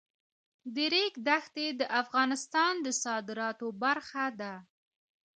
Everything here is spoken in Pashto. د ریګ دښتې د افغانستان د صادراتو برخه ده.